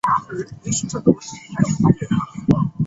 不当结论系指结论无法从已建立的前提推论出来。